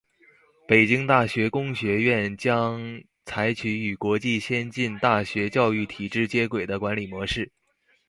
北京大学工学院将采取与国际先进大学教育体制接轨的管理模式。